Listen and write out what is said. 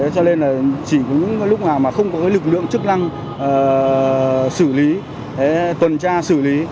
cho nên là chỉ có lúc nào mà không có lực lượng chức năng xử lý tuần tra xử lý